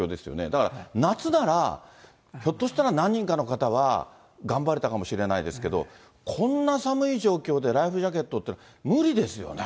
だから夏なら、ひょっとしたら、何人かの方は頑張れたかもしれないですけど、こんな寒い状況で、ライフジャケットって、無理ですよね。